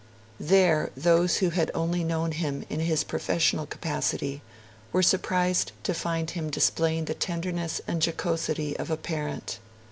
There those who had only known him in his professional capacity were surprised to find him displaying the tenderness and jocosity of a parent.